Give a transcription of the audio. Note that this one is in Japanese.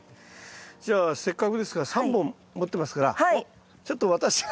じゃあせっかくですから３本持ってますからちょっと私が。